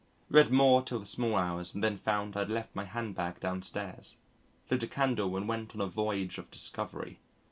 Read Moore till the small hours and then found I had left my handbag downstairs. Lit a candle and went on a voyage of discovery.